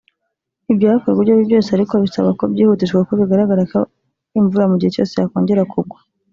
Ibyakorwa ibyo ari byo byose ariko bisaba ko byihutishwa kuko bigaragara ko imvura mu gihe cyose yakongera kugwa